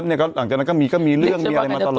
หลังจากนั้นก็มีเรื่องมีอะไรมาตลอด